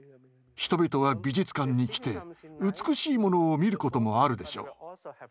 人々は美術館に来て美しいものを見ることもあるでしょう。